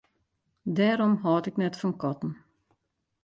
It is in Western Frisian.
Dêrom hâld ik net fan katten.